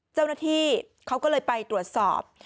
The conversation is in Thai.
เจ้าหน้าที่เขาก็เลยไปตรวจสอบ